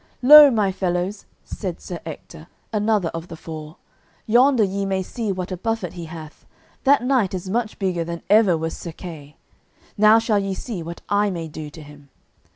"Lo, my fellows," said Sir Ector, another of the four, "yonder ye may see what a buffet he hath; that knight is much bigger than ever was Sir Kay. Now shall ye see what I may do to him."